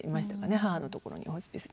母のところにホスピスに。